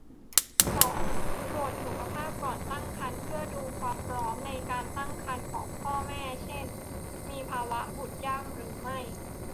สอง ตรวจสุขภาพก่อนตั้งครรภ์เพื่อดูความพร้อมในการตั้งครรภ์ของพ่อแม่ เช่น มีภาวะมีบุตรยากหรือไม่